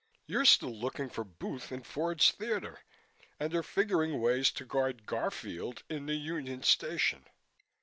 "You're still looking for Booth in Ford's theatre and are figuring ways to guard Garfield in the Union Station.